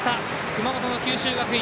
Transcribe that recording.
熊本の九州学院。